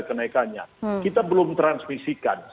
kenaikannya kita belum transmisikan